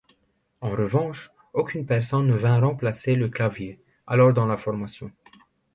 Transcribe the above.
En revanche, aucune personne ne vint remplacer le clavier alors dans la formation.